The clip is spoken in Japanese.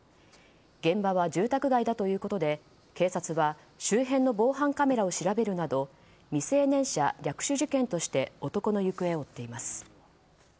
現場は住宅街だということで警察は周辺の防犯カメラを調べるなど未成年者略取事件として男の行方を追っています。